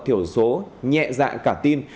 thiểu số nhẹ dạ cả tin